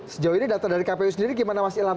sejauh ini data dari kpu sendiri gimana mas ilham